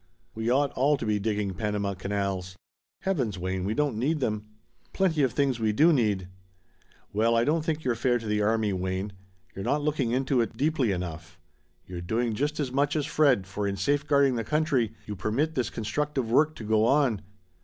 We ought all to be digging Panama canals!" "Heavens, Wayne we don't need them." "Plenty of things we do need." "Well I don't think you're fair to the army, Wayne. You're not looking into it deeply enough. You're doing just as much as Fred, for in safeguarding the country you permit this constructive work to go on.